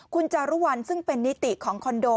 คุณจารุวัลซึ่งเป็นนิติของคอนโด